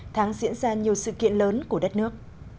tháng diễn ra nhiều sự kiện lớn của đất nước